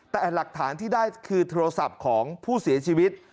แต่หลักฐานที่ได้คือโทรศัพท์ของผู้เสียชีวิต